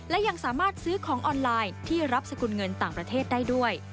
และยังสามารถซื้อของออนไลน์ที่รับสกุลเงินต่างประเทศได้ด้วย